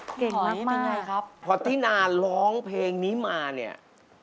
เก่งมากครับพอทินาร้องเพลงนี้มาเนี่ย